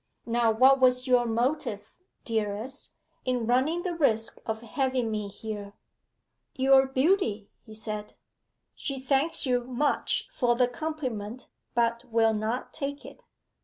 Now what was your motive, dearest, in running the risk of having me here?' 'Your beauty,' he said. 'She thanks you much for the compliment, but will not take it.